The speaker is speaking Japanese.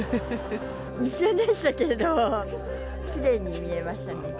一瞬でしたけど、きれいに見えましたね。